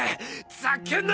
ざけんな！！